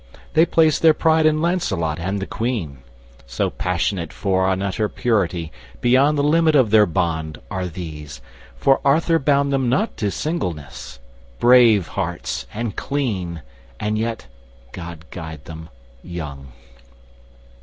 They place their pride in Lancelot and the Queen. So passionate for an utter purity Beyond the limit of their bond, are these, For Arthur bound them not to singleness. Brave hearts and clean! and yet—God guide them—young."